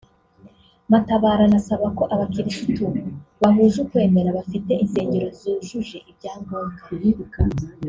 Matabaro anasaba ko abakirisitu bahuje ukwemera bafite insengero zujuje ibyangombwa